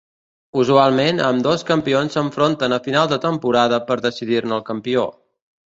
Usualment, ambdós campions s'enfronten a final de temporada per decidir-ne el campió.